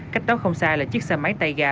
cách đó không xa là chiếc xe máy tay gà